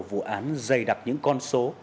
vụ án dày đặc những con số